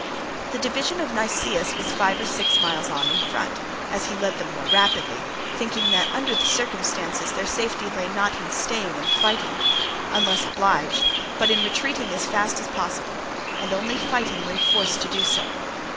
The division of Nicias was five or six miles on in front, as he led them more rapidly, thinking that under the circumstances their safety lay not in staying and fighting, unless obliged, but in retreating as fast as possible, and only fighting when forced to do so.